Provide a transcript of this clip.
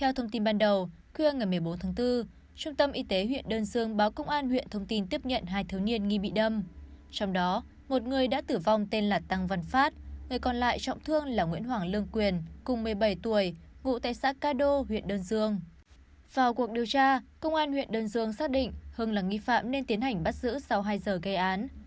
vào cuộc điều tra công an huyện đơn dương xác định hưng là nghi phạm nên tiến hành bắt giữ sau hai giờ gây án